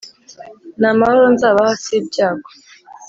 Ni amahoro nzabaha si ibyago